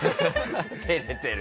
照れてる。